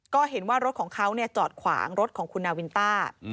ก็เห็นว่ารถของเขาจอดขวางรถของคุณนาวินต้า